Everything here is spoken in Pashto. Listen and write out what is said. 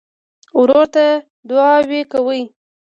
ورور ته دعاوې کوې.